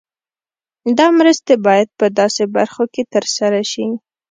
دا مرستې باید په داسې برخو کې تر سره شي.